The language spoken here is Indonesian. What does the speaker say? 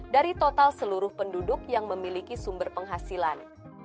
dari total seluruh penduduk yang memiliki sumber penghasilan